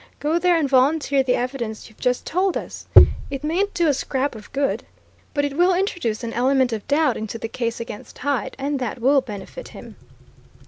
Go there and volunteer the evidence you've just told us! It mayn't do a scrap of good but it will introduce an element of doubt into the case against Hyde, and that will benefit him."